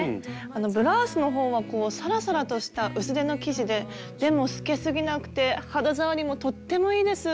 ブラウスのほうはサラサラとした薄手の生地ででも透けすぎなくて肌触りもとってもいいです。